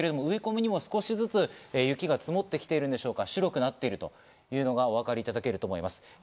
さらに画面左側、植え込みがあるんですけど、植え込みにも少しずつ雪が積もってきているんでしょうか、白くなっているというのがお分かりいただけると思います。